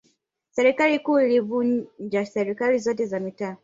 serikali kuu ilivunja serikali zote za mitaa